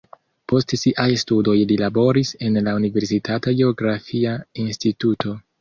Post siaj studoj li laboris en la universitata geografia instituto.